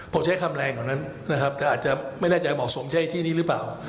ผมใช้คำแรงกว่านั้นนะครับแต่อาจจะไม่แน่ใจเหมาะสมใช่ที่นี้หรือเปล่า